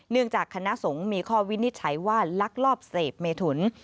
เนื่องจากคณะสงฆ์มีข้อวินิจใช้ว่าลักลอบเสพเมทุน